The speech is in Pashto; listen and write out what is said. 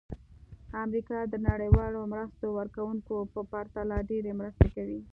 امریکا د نړیوالو مرسته ورکوونکو په پرتله ډېرې مرستې کوي.